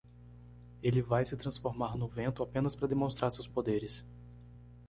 Ele vai se transformar no vento apenas para demonstrar seus poderes.